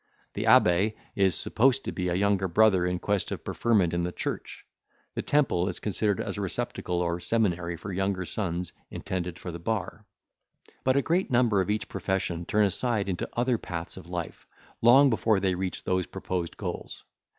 The abbe is supposed to be a younger brother in quest of preferment in the church—the Temple is considered as a receptacle or seminary for younger sons intended for the bar; but a great number of each profession turn aside into other paths of life, long before they reach these proposed goals.